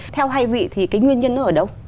theo hai vị thì cái nguyên nhân nó ở đâu